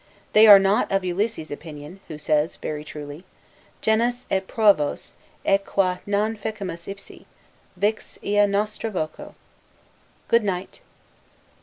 They are not of Ulysses' opinion, who says very truly, Genus et proavos, et qua non fecimus ipsi; Vix ea nostra voco. Good night.